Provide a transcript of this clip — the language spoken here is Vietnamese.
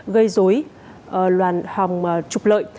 gây dối loàn hòng trục lợi